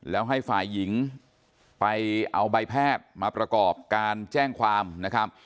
แล้วให้ฝ่ายหญิงไปเอาใบแพทย์มาประกอบการแจ้งความนะครับ